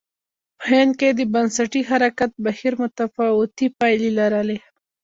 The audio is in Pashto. په هند کې د بنسټي حرکت بهیر متفاوتې پایلې لرلې.